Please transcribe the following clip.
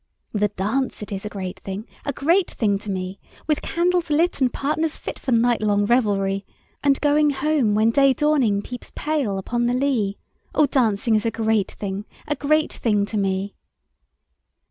The dance it is a great thing, A great thing to me, With candles lit and partners fit For night long revelry; And going home when day dawning Peeps pale upon the lea: O dancing is a great thing, A great thing to me!